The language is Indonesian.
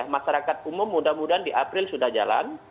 masyarakat umum mudah mudahan di april sudah jalan